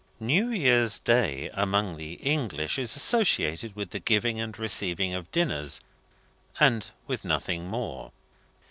New Year's Day, among the English, is associated with the giving and receiving of dinners, and with nothing more.